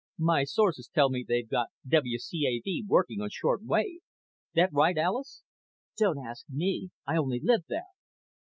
"My sources tell me they've got WCAV working on short wave. That right, Alis?" "Don't ask me. I only live there."